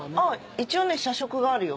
一応ね社食があるよ。